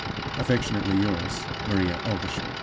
"Affectionately yours, "MARIA OLDERSHAW.